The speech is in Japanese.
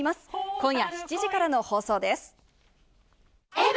今夜７時からの放送です。